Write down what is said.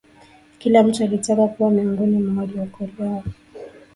kila mtu alitaka kuwa miongoni mwa waliokolewa